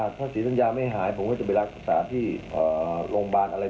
ถ้าศรีสัญญาไม่หายผมก็จะไปรักษาที่โรงพยาบาลอะไร